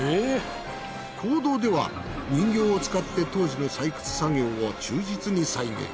坑道では人形を使って当時の採掘作業を忠実に再現。